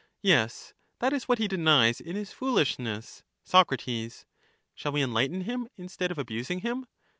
Yes, that is what he denies in his foolishness. Soc, Shall we enhghten him instead of abusing him?